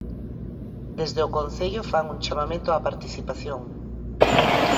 Desde o concello fan un chamamento á participación.